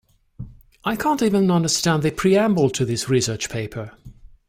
I can’t even understand the preamble to this research paper.